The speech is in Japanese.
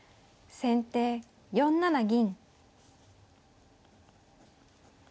先手４七銀。